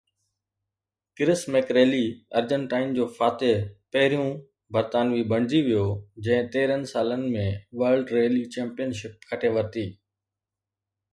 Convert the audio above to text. ڪرس ميڪريلي ارجنٽائن جو فاتح پهريون برطانوي بڻجي ويو جنهن تيرهن سالن ۾ ورلڊ ريلي چيمپئن شپ کٽي ورتي